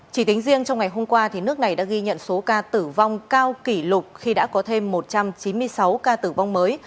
chỉ tính riêng trong ngày hôm qua nước này đã ghi nhận số ca tử vong cao kỷ lục khi đã có thêm một trăm chín mươi sáu ca tử vong mới